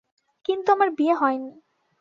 কিন্তু আমার বিয়ে হয় নি।